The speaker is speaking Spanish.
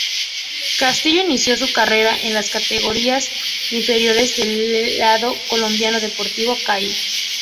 Castillo inició su carrera en las categorías inferiores del lado colombiano Deportivo Cali.